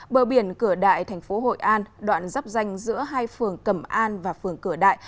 bờ biển cửa đại thành phố hội an đoạn dắp danh giữa hai phường cẩm an và phường cửa đại